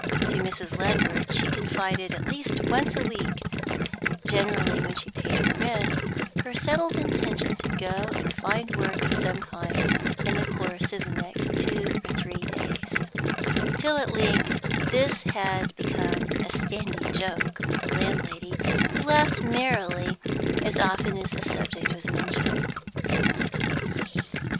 To Mrs. Ledward she confided at least once a week, generally when she paid her rent, her settled intention to go and find work of some kind in the course of the next two or three days; till at length this had become a standing joke with the landlady, who laughed merrily as often as the subject was mentioned.